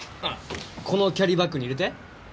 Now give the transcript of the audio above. このキャリーバッグに入れて？